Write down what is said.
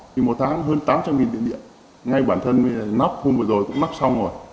thì một tháng hơn tám trăm linh nghìn điện điện ngay bản thân nắp hôm vừa rồi cũng nắp xong rồi